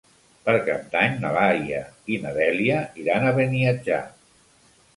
Per Cap d'Any na Laia i na Dèlia iran a Beniatjar.